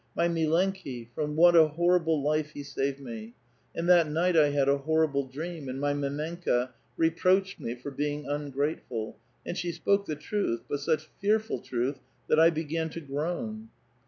My milenki! from what a horrible life he saved me ! and that night I had a horrible dream, and my mdmenka reproached me for being ungrate ful ; and* she spoke the truth, but such fearful truth that I began to groan.